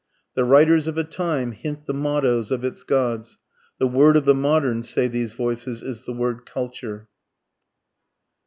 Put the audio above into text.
The writers of a time hint the mottoes of its gods. The word of the modern, say these voices, is the word Culture.